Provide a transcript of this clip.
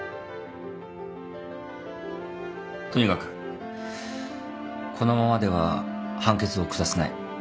とにかくこのままでは判決を下せない。